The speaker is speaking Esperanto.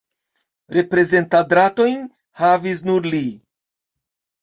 Reprezentadrajtojn havis nur li.